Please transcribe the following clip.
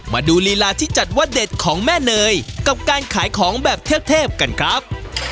มาดูลีลาที่จัดว่าเด็ดของแม่เนยกับการขายของแบบเทพกันครับ